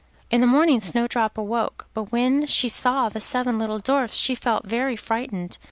In the morning Snowdrop awoke, but when she saw the seven little Dwarfs she felt very frightened.